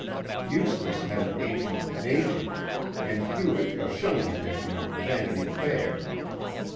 Eustace had an ancient Nation, and Hewett a shilling edition of Vanity Fair.